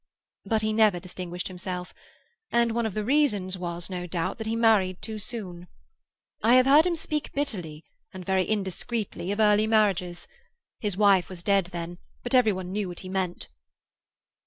But he never distinguished himself, and one of the reasons was, no doubt, that he married too soon. I have heard him speak bitterly, and very indiscreetly, of early marriages; his wife was dead then, but every one knew what he meant.